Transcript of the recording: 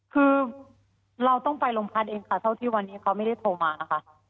คือเราต้องไปโรงพักเองค่ะเท่าที่วันนี้เขาไม่ได้โทรมานะคะ